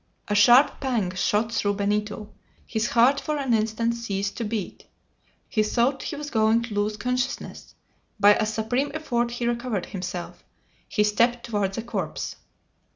A sharp pang shot through Benito. His heart, for an instant, ceased to beat. He thought he was going to lose consciousness. By a supreme effort he recovered himself. He stepped toward the corpse.